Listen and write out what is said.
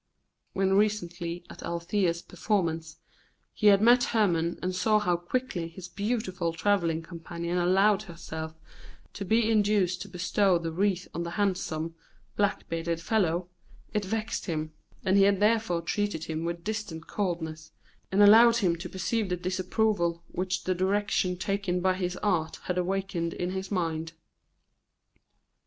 When recently at Althea's performance he had met Hermon and saw how quickly his beautiful travelling companion allowed herself to be induced to bestow the wreath on the handsome, black bearded fellow, it vexed him, and he had therefore treated him with distant coldness, and allowed him to perceive the disapproval which the direction taken by his art had awakened in his mind.